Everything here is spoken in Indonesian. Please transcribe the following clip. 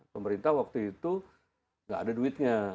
pemerintah waktu itu nggak ada duitnya